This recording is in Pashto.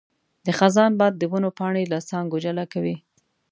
د خزان باد د ونو پاڼې له څانګو جلا کوي.